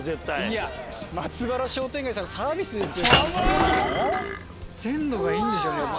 いや松原商店街さんのサービスです。